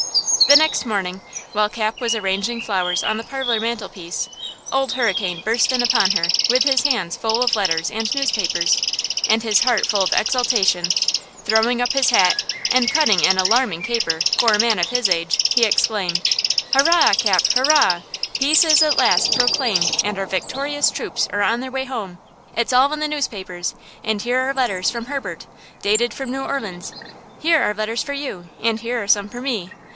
The next morning, while Cap was arranging flowers on the parlor mantelpiece, Old Hurricane burst in upon her with his hands full of letters and newspapers, and his heart full of exultation–throwing up his hat and cutting an alarming caper for a man of his age, he exclaimed: "Hurrah, Cap! Hurrah! Peace is at last proclaimed and our victorious troops are on their way home! It's all in the newspapers, and here are letters from Herbert, dated from New Orleans! Here are letters for you, and here are some for me!